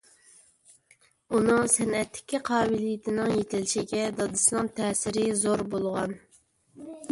ئۇنىڭ سەنئەتتىكى قابىلىيىتىنىڭ يېتىلىشىگە دادىسىنىڭ تەسىرى زور بولغان.